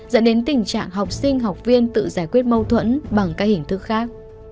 dẫn đến tình trạng học sinh học viên tự giải quyết mâu thuẫn bằng các hình thức khác